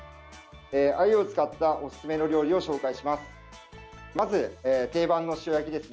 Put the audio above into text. アユを使ったおすすめの料理を紹介します。